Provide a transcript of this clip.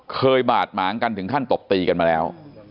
เคยบาดหมากันถึงท่านตบตีกันมาแล้ว